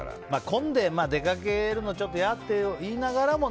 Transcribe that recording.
混んで出かけるのがちょっといやって言いながらも